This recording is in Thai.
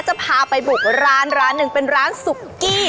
จะพาไปบุกร้าน๑เป็นร้านสุกี้